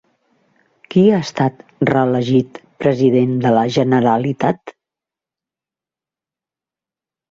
Qui ha estat reelegit president de la Generalitat?